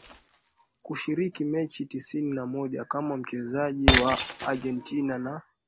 Kushiriki mechi tisini na moja kama mchezaji wa Argentina na